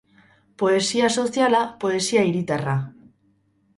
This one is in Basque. Poesia soziala, poesia hiritarra.